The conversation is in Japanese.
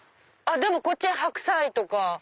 でもこっち白菜とか。